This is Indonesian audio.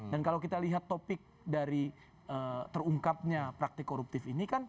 dan kalau kita lihat topik dari terungkapnya praktik koruptif ini